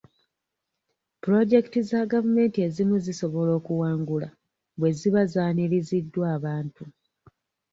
Pulojekiti za gavumenti ezimu zisobola okuwangula bwe ziba zaaniriziddwa abantu.